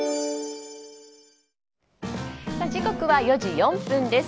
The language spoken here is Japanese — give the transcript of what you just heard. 時刻は４時４分です。